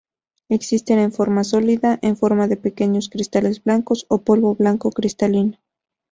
Existe en forma sólida en forma de pequeños cristales blancos o polvo blanco cristalino.